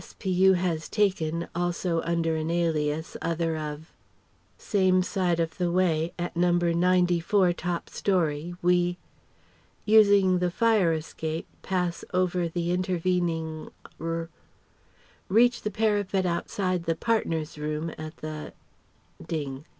W.S.P.U. has taken also under an alias other of same side of the way, at No. 94, top storey. We using the fire escape, pass over the intervening r reach the parapet outside the "partners' room" at the ding.